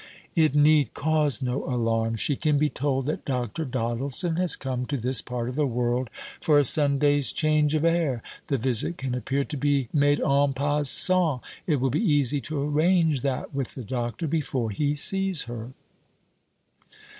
"It need cause no alarm. She can be told that Dr. Doddleson has come to this part of the world for a Sunday's change of air. The visit can appear to be made en passant. It will be easy to arrange that with the doctor before he sees her."